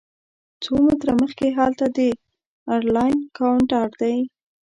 څو متره مخکې هلته د ایرلاین کاونټر دی.